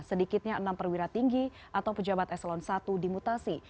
sedikitnya enam perwira tinggi atau pejabat eselon i dimutasi